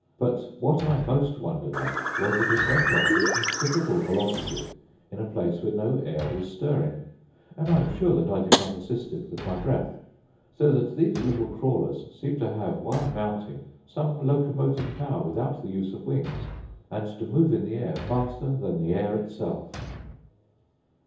But what I most wondered at, was that it went off with considerable velocity in a place where no air was stirring; and I am sure that I did not assist it with my breath. So that these little crawlers seem to have, while mounting, some loco motive power without the use of wings, and to move in the air, faster then the air itself.